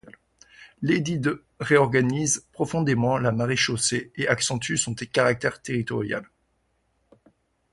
L'édit de réorganise profondément la Maréchaussée et accentue son caractère territorial.